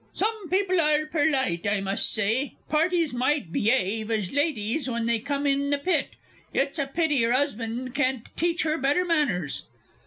Some people are perlite, I must say. Parties might beyave as ladies when they come in the Pit! It's a pity her 'usband can't teach her better manners!